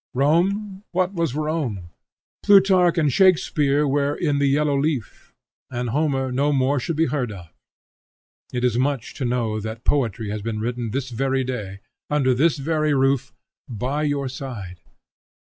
Rome, what was Rome? Plutarch and Shakspeare were in the yellow leaf, and Homer no more should be heard of. It is much to know that poetry has been written this very day, under this very roof, by your side.